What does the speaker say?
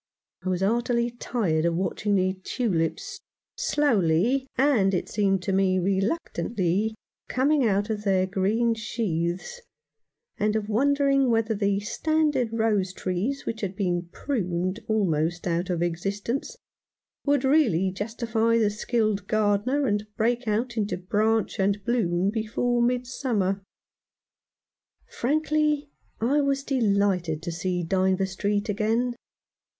I was heartily tired of watching the tulips slowly, and, as it seemed to me, reluctantly, coming out of their green sheaths, and of wonder ing whether the standard rose trees which had been pruned almost out of existence would really justify the skilled gardener, and break out into branch and bloom before midsummer. Frankly I was delighted to see Dynevor Street again.